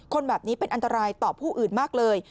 คนแบบนี้เป็นอันตรายต่อผู้อื่นมากเลย